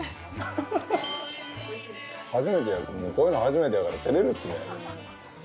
こういうの初めてだからてれるっすね。